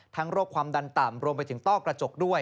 ทั้งโรคความดันต่ำรวมไปถึงต้อกระจก